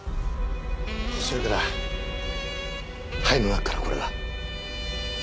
それから灰の中からこれが。